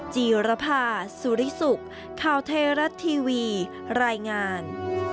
จีรภาสุริสุขข่าวไทยรัฐทีวีรายงาน